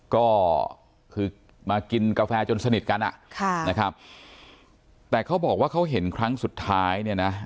ก็คือมากินกาแฟจนสนิทกันนะแต่เขาบอกว่าเขาเห็นครั้งสุดท้าย